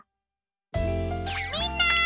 みんな！